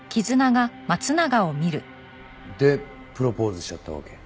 でプロポーズしちゃったわけ？